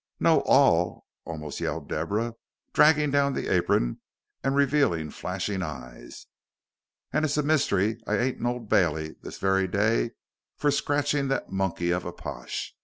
"Know all," almost yelled Deborah, dragging down the apron and revealing flashing eyes, "and it's a mussy I ain't in Old Bailey this very day for scratching that monkey of a Pash.